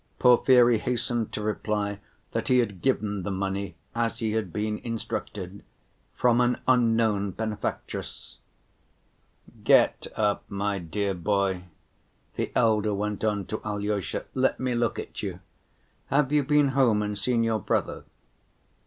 Porfiry hastened to reply that he had given the money, as he had been instructed, "from an unknown benefactress." "Get up, my dear boy," the elder went on to Alyosha. "Let me look at you. Have you been home and seen your brother?"